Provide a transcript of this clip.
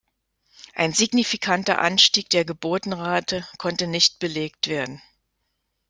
Ein signifikanter Anstieg der Geburtenrate konnte nicht belegt werden.